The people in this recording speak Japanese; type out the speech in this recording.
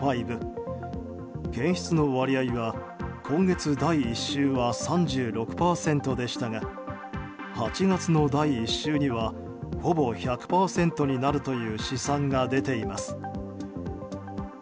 検出の割合は今月第１週は３６％でしたが８月の第１週にはほぼ１００％になるという試算が出ています。